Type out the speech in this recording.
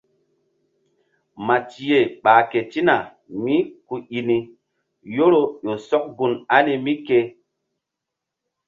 Matiye ɓah ketina mí ku i ni yoro ƴo sɔk gun ani mí ke.